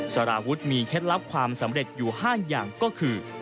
สารวุฒิมีเคล็ดลับความสำเร็จอยู่๕อย่างก็คือ